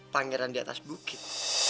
pangeran di atas bukit